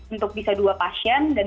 untuk bisa dua pasien dan